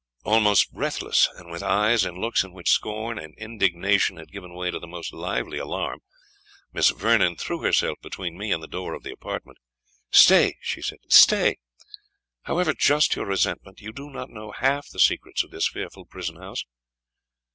Almost breathless, and with eyes and looks in which scorn and indignation had given way to the most lively alarm, Miss Vernon threw herself between me and the door of the apartment. "Stay!" she said "stay! however just your resentment, you do not know half the secrets of this fearful prison house."